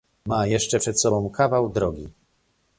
Ma jeszcze przed sobą kawał drogi